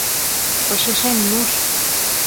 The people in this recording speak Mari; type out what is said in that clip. Почешем нуш!